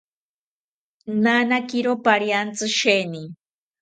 Nanakiro pariantzi sheeni